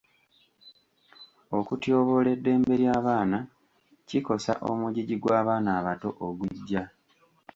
Okutyoboola eddembe ly'abaana kikosa omugigi gw'abaana abato ogujja.